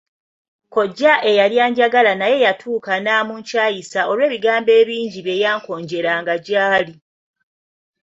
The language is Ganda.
Kkojja eyali anjagala naye yatuuka n'amunkyayisa olw'ebigambo ebingi bye yankonjeranga gyali.